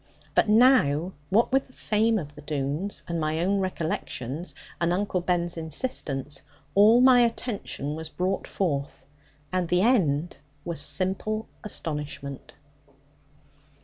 But now, what with the fame of the Doones, and my own recollections, and Uncle Ben's insistence, all my attention was called forth, and the end was simple astonishment.